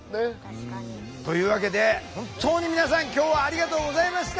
確かに。というわけで本当に皆さん今日はありがとうございました！